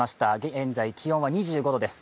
現在気温は２５度です。